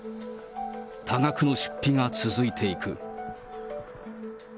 多額の出費が続いていく。